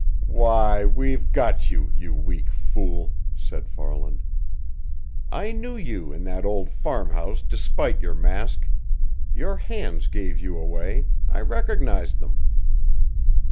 "Why, we've got you, you weak fool!" said Farland. "I knew you in that old farmhouse despite your mask. Your hands gave you away I recognized them."